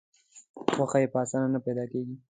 غوښه یې په اسانه نه پیدا کېږي.